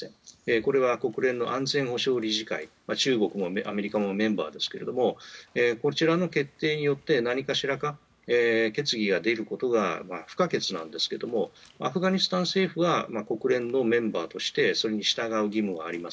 これは国連の安全保障理事会中国もアメリカもメンバーですけれどもこちらの決定によって何かしら決議が出ることが不可欠なんですけどアフガニスタン政府は国連のメンバーとしてそれに従う義務があります。